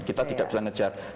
kita tidak bisa mengejar